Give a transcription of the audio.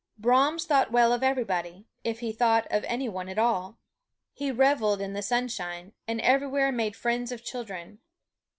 Brahms thought well of everybody, if he thought of any one at all. He reveled in the sunshine, and everywhere made friends of children.